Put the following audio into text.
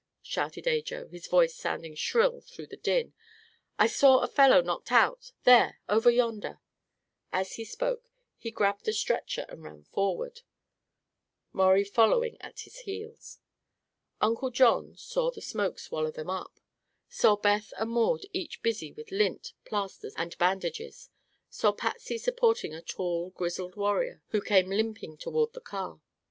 shouted Ajo, his voice sounding shrill through the din. "I saw a fellow knocked out there over yonder!" As he spoke he grabbed a stretcher and ran forward, Maurie following at his heels. Uncle John saw the smoke swallow them up, saw Beth and Maud each busy with lint, plasters and bandages, saw Patsy supporting a tall, grizzled warrior who came limping toward the car.